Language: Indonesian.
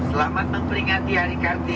selamat memperingati hari kartini